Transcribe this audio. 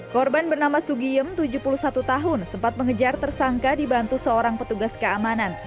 korban bernama sugiem tujuh puluh satu tahun sempat mengejar tersangka dibantu seorang petugas keamanan